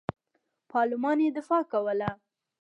پارلمان یې دفاع کوله.